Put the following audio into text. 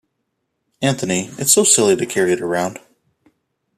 Anthony, it's so silly to carry it around.